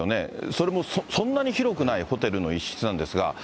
それもそんなに広くないホテルの一室なんですが。